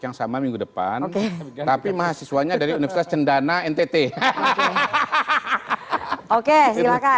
yang sama minggu depan tapi mahasiswanya dari universitas cendana ntt hahaha oke silahkan yang